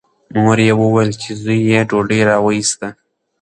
مور یې وویل چې زوی یې ډوډۍ راوایسته.